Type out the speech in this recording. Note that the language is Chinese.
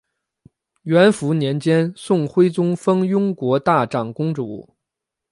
元符年间宋徽宗封雍国大长公主。